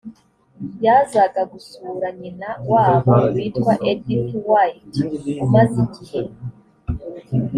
yazaga gusura nyina wabo witwa edith white umaze igihe